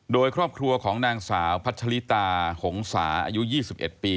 โดยครอบครัวของนางสาวพัชลิตาหงษาอายุ๒๑ปี